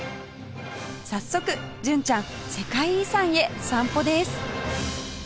早速純ちゃん世界遺産へ散歩です